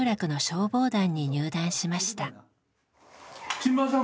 木村さん